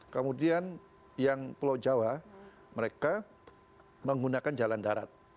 kemudian yang pulau jawa mereka menggunakan jalan darat